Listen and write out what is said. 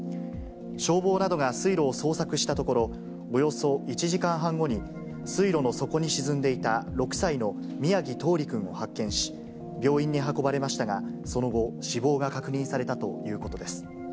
消防などが水路を捜索したところ、およそ１時間半後に、水路の底に沈んでいた、６歳の宮城とうり君を発見し、病院に運ばれましたが、その後、死亡が確認されたということです。